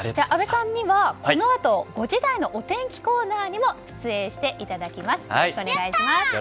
阿部さんにはこのあと５時台のお天気コーナーにも出演していただきます。